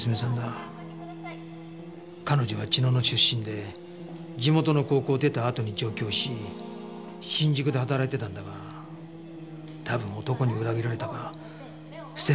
彼女は茅野の出身で地元の高校を出たあとに上京し新宿で働いてたんだが多分男に裏切られたか捨てられたかしたんだろう。